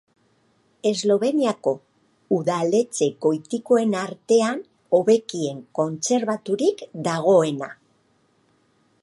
Esloveniako udaletxe gotikoen artean hobekien kontserbaturik dagoena.